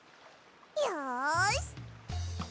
よし！